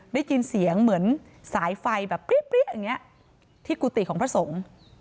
ได้ยินเสียงเหมือนสายไฟแบบเปรี้ยอย่างนี้ที่กุฏิของพระสงฆ์